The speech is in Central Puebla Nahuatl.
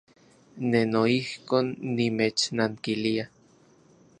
Ne noijkon nimechnankilia.